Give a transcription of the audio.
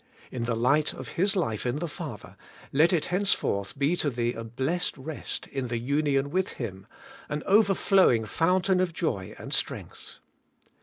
In the light of His life in the Father, let it hence forth be to thee a blessed rest in the union with Him, an overflowing fountain of joy and strength.